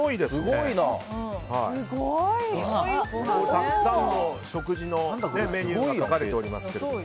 たくさんの食事のメニューが書かれております。